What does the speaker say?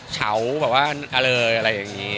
เฉาอะไรอย่างเงี้ย